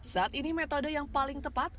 saat ini metode yang paling tepat